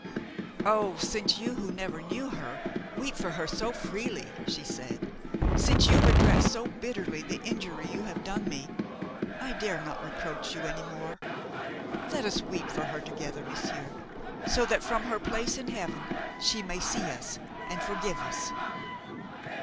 "Oh! since you, who never knew her, weep for her so freely," she said; "since you regret so bitterly the injury you have done me, I dare not reproach you any more. Let us weep for her together, monsieur, so that, from her place in heaven, she may see us and forgive us."